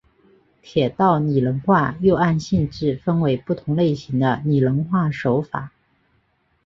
铁道拟人化又按性质分为不同类型的拟人化手法。